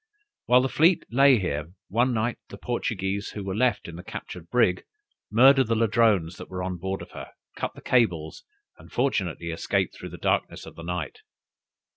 While the fleet lay here, one night the Portuguese who were left in the captured brig murdered the Ladrones that were on board of her, cut the cables, and fortunately escaped through the darkness of the night.